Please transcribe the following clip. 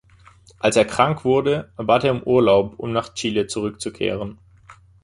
Als er krank wurde, bat er um Urlaub, um nach Chile zurückzukehren.